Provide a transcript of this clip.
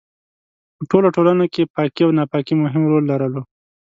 په ټولو ټولنو کې پاکي او ناپاکي مهم رول لرلو.